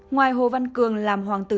ngoài hồ văn cường làm hoàng tử